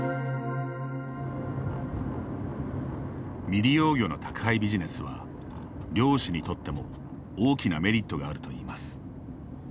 未利用魚の宅配ビジネスは漁師にとっても大きなメリットがあるといいます。